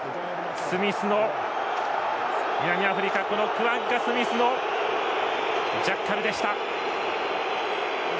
南アフリカ、クワッガ・スミスのジャッカルでした。